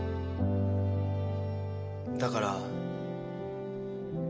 だから。